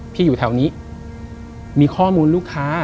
อยู่แถวนี้มีข้อมูลลูกค้า